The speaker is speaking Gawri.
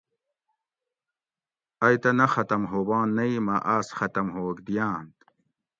ائ نہ تہ ختم ھوباں نہ ئ مہ آس ختم ھوگ دیانت